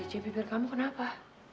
wajah bibir kamu kenapa